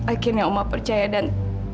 akhirnya oma percaya dan